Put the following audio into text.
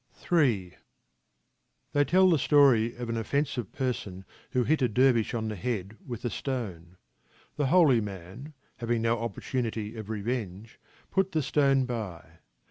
Ill They tell the story of an offensive person who hit a dervish on the head with a stone. The holy man, having no opportunity of revenge, put the stone by.